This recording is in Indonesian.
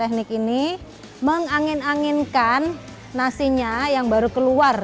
teknik ini mengangin anginkan nasinya yang baru keluar